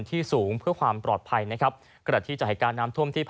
ที่สูงเพื่อความปลอดภัยนะครับกรณที่จัดแหการน้ำราบท่วมที่พัน